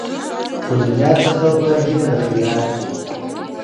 خو دنیا څخه په هیله د خیرات دي